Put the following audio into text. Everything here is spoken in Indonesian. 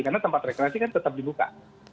karena tempat rekreasi kan tetap dibuka